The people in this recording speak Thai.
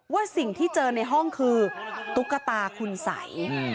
ว่าสิ่งที่เจอในห้องคือตุ๊กตาคุณสัย